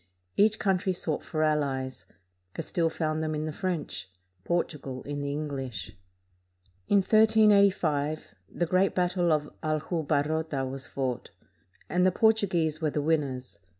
Each country sought for allies. Castile found them in the French; Portugal in the English. In 1385 the great battle of Aljubarrota was fought, and the Portuguese were the win ners.